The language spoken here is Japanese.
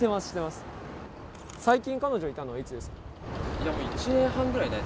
最近、彼女いたのは、いつです？